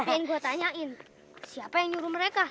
pingin gua tanyain siapa yang nyuruh mereka